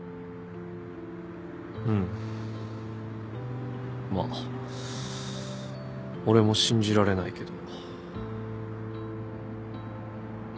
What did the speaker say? うんまあ俺も信じられないけど。